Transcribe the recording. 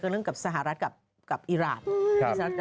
เกี่ยวกับสหรัฐกับอิหราช